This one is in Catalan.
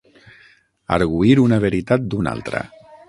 Argüir una veritat d'una altra.